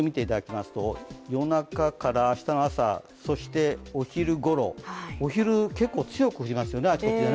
その辺りを雨の予想で見ていただきますと夜中から明日の朝、そしてお昼ごろ、お昼結構強く降りますよね。